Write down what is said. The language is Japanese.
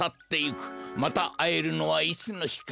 またあえるのはいつのひか。